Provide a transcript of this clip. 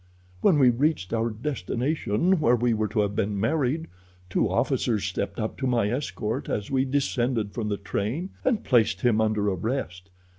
When we reached our destination where we were to have been married, two officers stepped up to my escort as we descended from the train, and placed him under arrest.